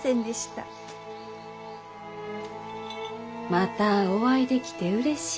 またお会いできてうれしい。